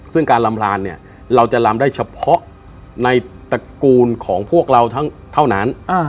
ซึ่งการลำพลานเนี่ยเราจะลำได้เฉพาะในตระกูลของพวกเราเท่านั้น